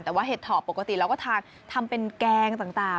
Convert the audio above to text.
แต่ว่าเห็ดถอบปกติแล้วก็ทำเป็นแกงต่าง